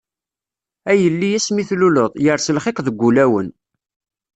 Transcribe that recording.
A yelli asmi tluleḍ, yers lxiq deg wulawen.